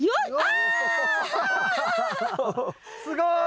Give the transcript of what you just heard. すごい！